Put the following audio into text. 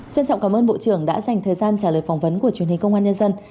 trân trọng cảm ơn bộ trưởng đã dành thời gian trả lời phỏng vấn của truyền hình công an nhân dân